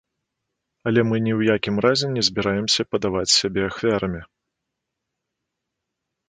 Але мы ні ў якім разе не збіраемся падаваць сябе ахвярамі.